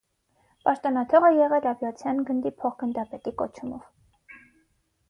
Պաշտոնաթող է եղել ավիացիոն գնդի փոխգնդապետի կոչումով։